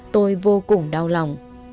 tôi vô cùng đau lòng